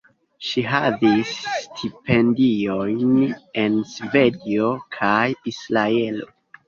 Ŝi havis stipendiojn en Svedio kaj Israelo.